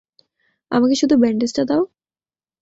আমাকে শুধু ব্যান্ডেজটা দাও?